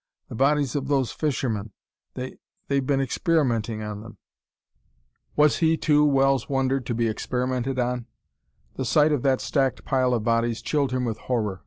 The bodies of those fishermen. They they've been experimenting on them...." Was he, too, Wells wondered, to be experimented on? The sight of that stacked pile of bodies chilled him with horror.